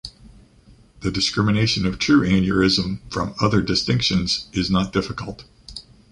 The discrimination of true aneurysm from other distinctions is not difficult.